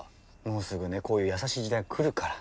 もうすぐねこういう優しい時代来るから。